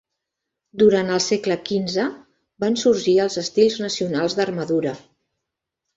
Durant el segle quinze, van sorgir els estils nacionals d'armadura.